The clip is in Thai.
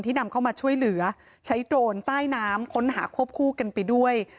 นำเข้ามาช่วยเหลือใช้โดรนใต้น้ำค้นหาควบคู่กันไปด้วย